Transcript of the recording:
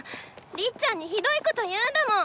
りっちゃんにひどいこと言うんだもん！